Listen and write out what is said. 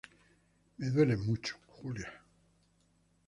me duele mucho, Julia